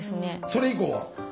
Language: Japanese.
それ以降は？